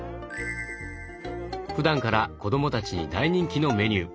ふだんから子どもたちに大人気のメニュー。